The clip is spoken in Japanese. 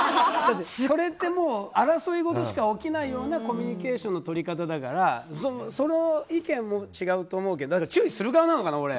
それってもう争い事しか起きないようなコミュニケーションの取り方だからその意見も違うと思うけど注意する側なのかな？